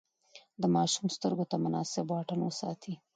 د ماشوم سترګو ته مناسب واټن وساتئ.